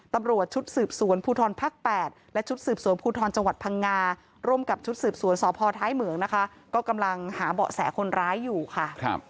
ตำรวจชุดสืบสวนภูทรภักดิ์๘และชุดสืบสวนภูทรจังหวัดพังงาร่วมกับชุดสืบสวนสพท้ายเหมืองนะคะก็กำลังหาเบาะแสคนร้ายอยู่ค่ะ